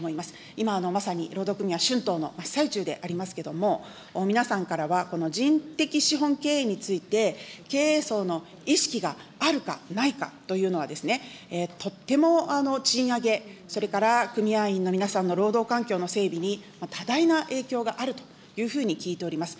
今、まさに労働組合、春闘の真っ最中でありますけれども、皆さんからは人的資本経営について、経営層の意識があるかないかというのは、とっても賃上げ、それから組合員の皆さんの労働環境の整備に多大な影響があるというふうに聞いております。